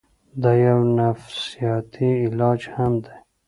دا يو نفسياتي علاج هم دے